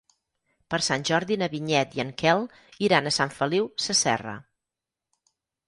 Per Sant Jordi na Vinyet i en Quel iran a Sant Feliu Sasserra.